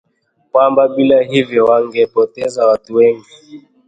kwani bila hiyo, wangepoteza watu wingi.